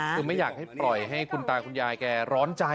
คือไม่อยากให้ปล่อยให้คุณตาคุณยายแกร้อนใจ